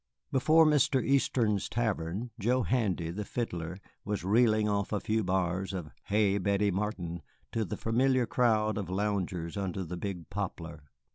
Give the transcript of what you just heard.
Before Mr. Easton's tavern Joe Handy, the fiddler, was reeling off a few bars of "Hey, Betty Martin" to the familiar crowd of loungers under the big poplar.